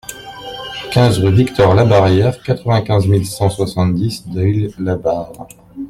quinze rue Victor Labarrière, quatre-vingt-quinze mille cent soixante-dix Deuil-la-Barre